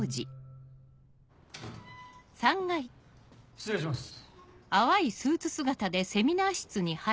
失礼します。